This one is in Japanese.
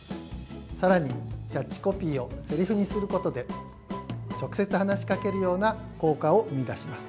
さらにキャッチコピーをセリフにすることで直接話しかけるような効果を生み出します。